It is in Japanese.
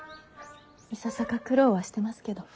いささか苦労はしてますけど。